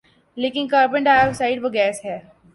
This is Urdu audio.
لیکن کاربن ڈائی آکسائیڈ وہ گیس ہے